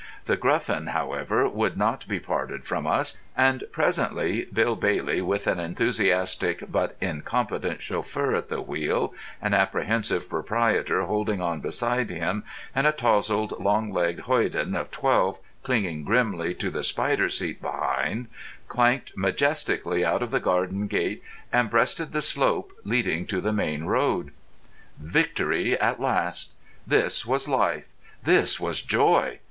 The Gruffin, however, would not be parted from us, and presently Bill Bailey, with an enthusiastic but incompetent chauffeur at the wheel, an apprehensive proprietor holding on beside him, and a touzled long legged hoyden of twelve clinging grimly to the spider seat behind, clanked majestically out of the garden gate and breasted the slope leading to the main road. Victory at last! This was life! This was joy!